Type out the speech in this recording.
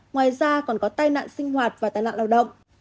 ngoài ra còn có tai nạn sinh hoạt và tai nạn lao động